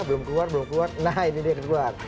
belum keluar belum keluar nah ini dia yang keluar